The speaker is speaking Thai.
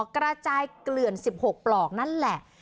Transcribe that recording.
กระจายเกลื่อน๑๖ปลอกนั่นแหละ